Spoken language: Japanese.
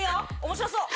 面白そう！